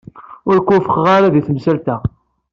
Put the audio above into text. Ur k-wufqeɣ ara di temsalt-a.